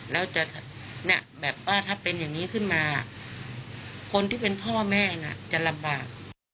แล้วจะเนี่ยแบบว่าถ้าเป็นอย่างนี้ขึ้นมาคนที่เป็นพ่อแม่น่ะจะลำบาก